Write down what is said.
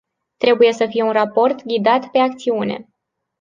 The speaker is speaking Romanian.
Trebuie să fie un raport ghidat pe acțiune.